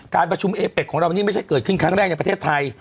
การประชุมเอเป็กของเรานี่ไม่ใช่เกิดขึ้นครั้งแรกในประเทศไทย